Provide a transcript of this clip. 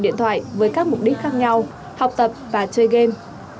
điện thoại với các mục đích khác nhau học tập và chơi game